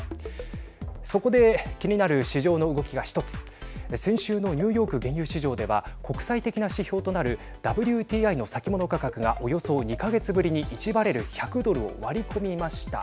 そこで気になる市場の動きが１つ先週のニューヨーク原油市場では国際的な指標となるＷＴＩの先物価格がおよそ２か月ぶりに１バレル＝１００ドルを割り込みました。